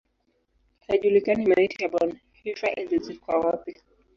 Haijulikani maiti ya Bonhoeffer ilizikwa wapi.